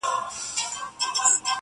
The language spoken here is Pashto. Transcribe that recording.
که منګول یې دی تېره مشوکه غټه-